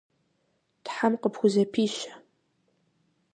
Тхьэм къыпхузэпищэ.